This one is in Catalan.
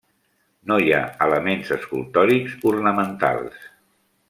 No hi ha elements escultòrics ornamentals.